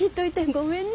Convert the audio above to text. ごめんね。